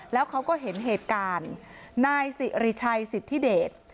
แล้วเขาก็เห็นเหตุการณ์นายสิริชัยสิทธิเดช